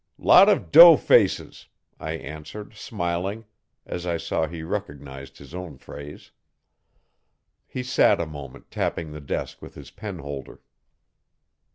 'Lot of dough faces! I answered, smiling, as I saw he recognised his own phrase. He sat a moment tapping the desk with his penholder.'